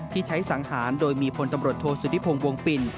ที่ใช้สังหารโดยมีพลตำรวจโทษสุธิพงศ์วงปิ่น